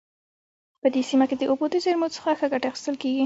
په دې سیمه کې د اوبو د زیرمو څخه ښه ګټه اخیستل کیږي